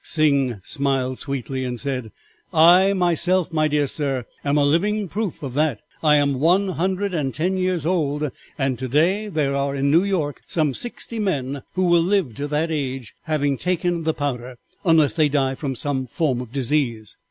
"Sing smiled sweetly, and said, 'I myself, my dear sir, am a living proof of that; I am one hundred and ten years old, and to day there are in New York some sixty men who will live to that age, having taken the powder, unless they die from some form of disease.